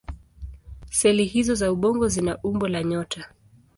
Seli hizO za ubongo zina umbo la nyota.